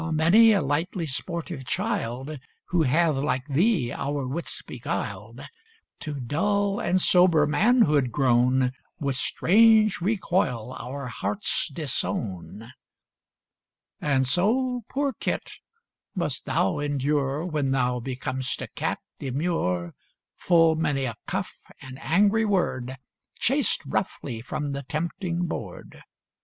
many a lightly sportive child, Who hath like thee our wits beguiled, To dull and sober manhood grown, With strange recoil our hearts disown. And so, poor kit! must thou endure, When thou becom'st a cat demure, Full many a cuff and angry word, Chased roughly from the tempting board.